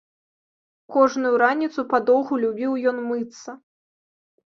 Кожную раніцу падоўгу любіў ён мыцца.